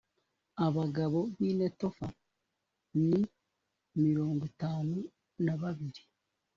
abagabo b ‘i netofa ni mirongo itanu nababiri.